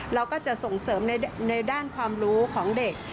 เราก็จะส่งเสริมในด้านความรู้ของเด็ก